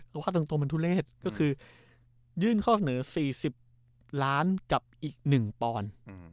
เอาค่าตรงมันทุเลศก็คือยื่นข้อเสนอ๔๐ล้านกับอีก๑ปอนด์